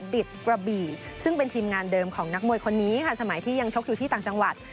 ดิตกระบี่ซึ่งเป็นทีมงานเดิมของนักมวยคนนี้ค่ะสมัยที่ยังชกอยู่ที่ต่างจังหวัด